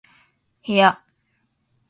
部屋